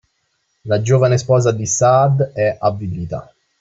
La giovane sposa di Saad è avvilita